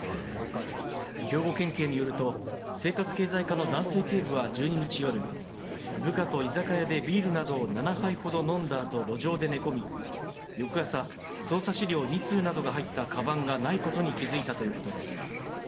兵庫県警によると、生活経済課の男性警部は１２日夜、部下と居酒屋でビールなどを７杯ほど飲んだあと、路上で寝込み、翌朝、捜査資料２通などが入ったかばんがないことに気付いたということです。